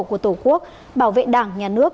của tổ quốc bảo vệ đảng nhà nước